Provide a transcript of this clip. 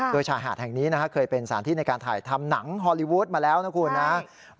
โดยชายหาดแห่งนี้เคยเป็นสารที่ในการถ่ายทำหนังฮอลลีวูดมาแล้วนะคุณนะ